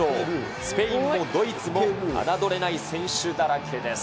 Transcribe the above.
スペインもドイツも侮れない選手だらけです。